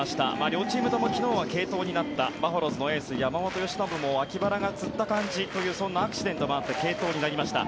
両チームとも昨日は継投になったバファローズのエース山本由伸もわき腹がつった感じそんなアクシデントもあって継投になりました。